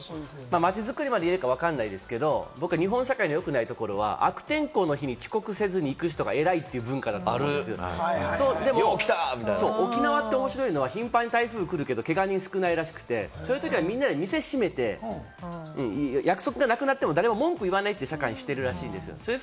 街づくりまで言えるかわからないですけれども、日本社会でよくないところは、悪天候の日に遅刻せずに行く人が偉いって文化、沖縄って面白いのは頻繁に台風が来るけれども、けが人少ないらしくて、そういうときは、みんな店閉めて約束がなくなっても誰も文句言わないという社会にしてるらしいんです。